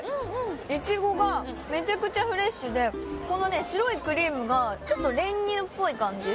イチゴがめちゃくちゃフレッシュでこの白いクリームがちょっと練乳っぽい感じ